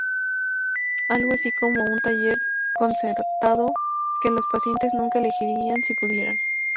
Algo así como un taller concertado, que los pacientes nunca elegirían si pudieran.